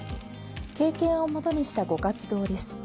経験を元にしたご活動です。